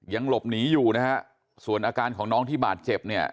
ยังหลบหนีอยู่นะฮะส่วนอาการของน้องที่บาดเจ็บเนี่ย